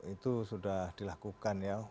itu sudah dilakukan ya